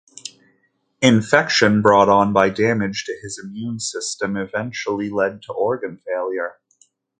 Infection brought on by damage to his immune system eventually led to organ failure.